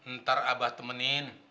ntar abah temenin